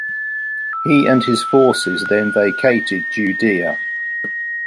He and his forces then vacated Judea.